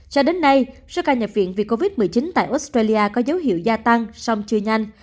cho đến nay số ca nhập viện vì covid một mươi chín tại australia có dấu hiệu gia tăng song chưa nhanh